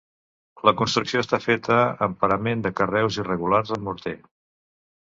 La construcció està feta amb parament de carreus irregulars amb morter.